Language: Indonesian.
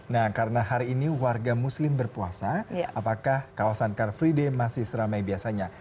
nah karena hari ini warga muslim berpuasa apakah kawasan car free day masih seramai biasanya